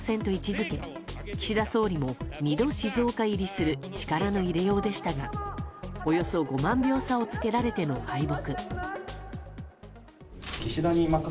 づけ岸田総理も２度、静岡入りする力の入れようでしたがおよよそ５万票をつけられての敗北。